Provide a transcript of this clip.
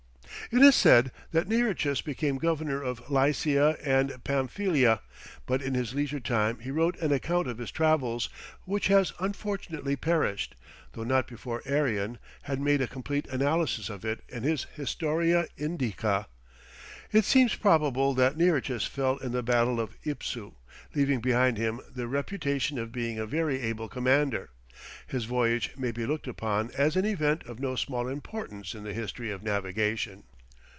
It is said that Nearchus became governor of Lysia and Pamphylia, but in his leisure time he wrote an account of his travels, which has unfortunately perished, though not before Arian had made a complete analysis of it in his Historia Indica. It seems probable that Nearchus fell in the battle of Ipsu, leaving behind him the reputation of being a very able commander; his voyage may be looked upon as an event of no small importance in the history of navigation.